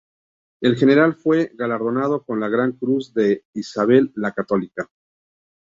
El General fue galardonado con la Gran Cruz de Isabel la Católica.